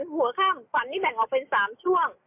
หัวข้ามฝันนี่แบ่งออกเป็น๓ช่วง